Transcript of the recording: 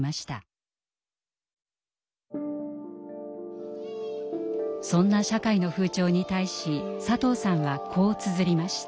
そんな社会の風潮に対し佐藤さんはこうつづりました。